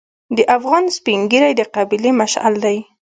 د افغان سپین ږیری د قبیلې مشعل دی.